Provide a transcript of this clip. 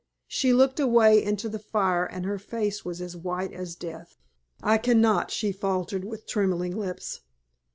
She looked away into the fire and her face was as white as death. "I cannot," she faltered, with trembling lips.